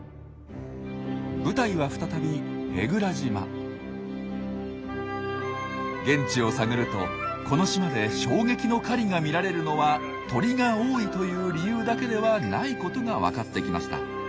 舞台は再び現地を探るとこの島で衝撃の狩りが見られるのは鳥が多いという理由だけではないことが分かってきました。